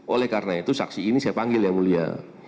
oleh karena itu saksi ini saya panggil yang mulia